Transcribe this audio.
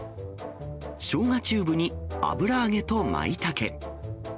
しょうがチューブに、油揚げとまいたけ。